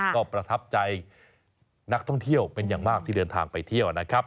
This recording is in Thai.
ก็ประทับใจนักท่องเที่ยวเป็นอย่างมากที่เดินทางไปเที่ยวนะครับ